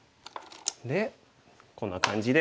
でこんな感じで。